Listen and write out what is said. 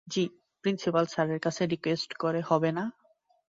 জি, principal স্যারের কাছে request করে হবে না?